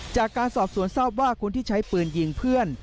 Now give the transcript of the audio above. จากการสอบสวนทราบว่าคนที่ใช้ปืนยิงเพื่อน